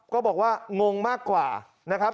ก็บอกว่างงมากกว่านะครับ